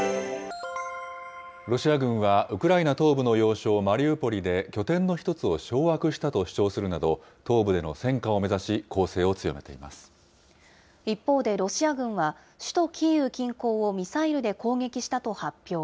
ロシア軍はウクライナ東部の要衝マリウポリで拠点の一つを掌握したと主張するなど、東部での戦果を目指し、攻勢を強めていま一方でロシア軍は、首都キーウ近郊をミサイルで攻撃したと発表。